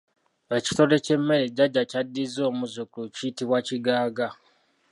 Ekitole ky'emmere jajja ky'addiza omuzzukulu kiyitibwa kigaaga.